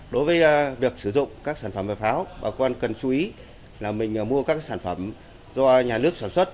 đối với việc sử dụng các sản phẩm về pháo bà con cần chú ý là mình mua các sản phẩm do nhà nước sản xuất